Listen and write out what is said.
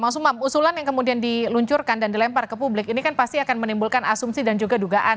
mas umam usulan yang kemudian diluncurkan dan dilempar ke publik ini kan pasti akan menimbulkan asumsi dan juga dugaan